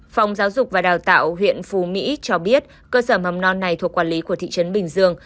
phòng giáo dục và đào tạo huyện phù mỹ cho biết cơ sở mầm non này thuộc quản lý của thị trấn bình dương